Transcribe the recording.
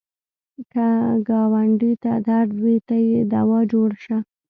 که ګاونډي ته درد وي، ته یې دوا جوړ شه